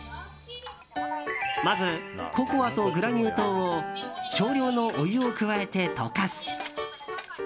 まず、ココアとグラニュー糖を少量のお湯を加えて溶かす。